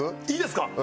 いいですか？